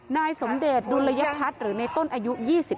นายสมเดชดุลยพัฒน์หรือในต้นอายุ๒๓